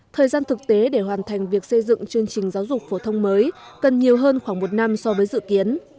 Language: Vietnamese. thời gian thực tế để hoàn thành việc xây dựng chương trình giáo dục phổ thông mới cần nhiều hơn khoảng một năm so với dự kiến